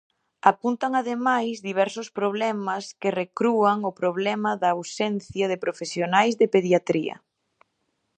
Apuntan ademais diversos problemas que recrúan o problema da ausencia de profesionais de pediatría: